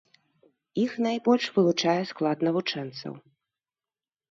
Іх найбольш вылучае склад навучэнцаў.